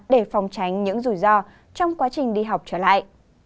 để phòng tránh những rủi ro trong quá trình đi học trở lại